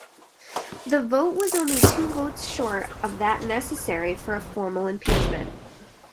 The vote was only two votes short of that necessary for a formal impeachment.